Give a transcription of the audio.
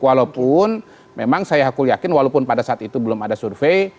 walaupun memang saya aku yakin walaupun pada saat itu belum ada survei